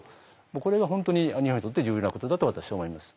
これが本当に日本にとって重要なことだと私は思います。